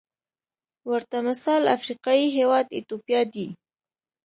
ورته مثال افریقايي هېواد ایتوپیا دی.